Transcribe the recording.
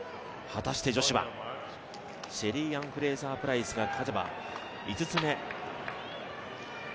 果たして女子は、シェリーアン・フレイザー・プライスが勝てば５つ目。